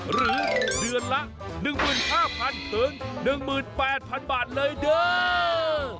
หรือเดือนละ๑๕๐๐๐ถึง๑๘๐๐๐บาทเลยเด้อ